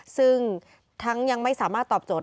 ซึ่งทั้งยังไม่สามารถตอบโจทย